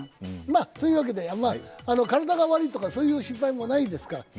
そういうわけで、体が悪いとか、そういう心配もないですから。